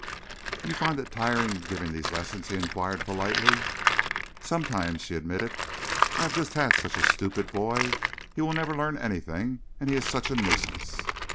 "You find it tiring giving these lessons?" he enquired politely. "Sometimes," she admitted. "I have just had such a stupid boy. He will never learn anything, and he is such a nuisance."